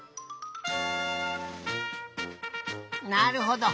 なるほど。